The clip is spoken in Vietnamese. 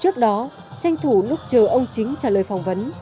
trước đó tranh thủ lúc chờ ông chính trả lời phỏng vấn